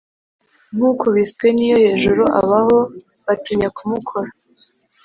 Nk’ukubiswe n’iyo hejuru, abaho batinya kumukora,